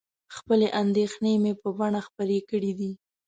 خپلې اندېښنې مې په بڼه خپرې کړي دي.